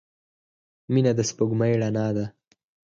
• مینه د سپوږمۍ رڼا ده.